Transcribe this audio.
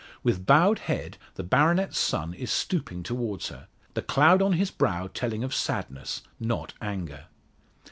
With bowed head the baronet's son is stooping towards her, the cloud on his brow telling of sadness not anger.